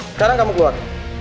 sekarang kamu keluar